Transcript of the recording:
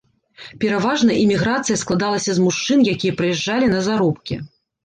Пераважна іміграцыя складалася з мужчын, якія прыязджалі на заробкі.